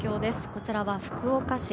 こちらは福岡市。